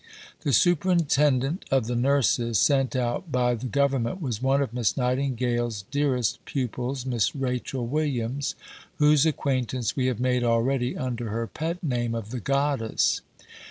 The Superintendent of the nurses sent out by the Government was one of Miss Nightingale's dearest pupils, Miss Rachel Williams, whose acquaintance we have made already under her pet name of "The Goddess."